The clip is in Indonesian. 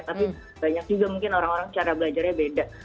tapi banyak juga mungkin orang orang cara belajarnya beda